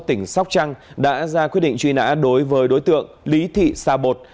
tỉnh sóc trăng đã ra quyết định truy nã đối với đối tượng lý thị sa bột